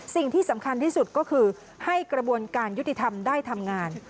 สิ่งที่สำคัญที่สุดก็คือให้กระบวนการยุติธรรมได้ทำงาน